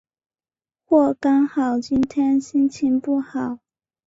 或刚好今天心情不好？